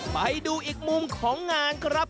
ไปดูอีกมุมของงานครับ